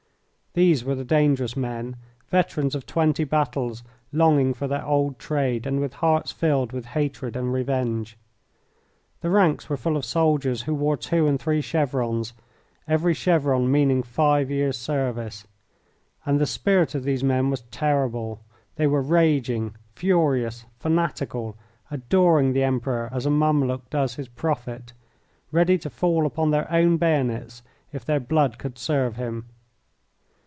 These were the dangerous men, veterans of twenty battles, longing for their old trade, and with hearts filled with hatred and revenge. The ranks were full of soldiers who wore two and three chevrons, every chevron meaning five years' service. And the spirit of these men was terrible. They were raging, furious, fanatical, adoring the Emperor as a Mameluke does his prophet, ready to fall upon their own bayonets if their blood could serve him.